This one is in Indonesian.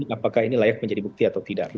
apakah ini layak menjadi bukti atau tidak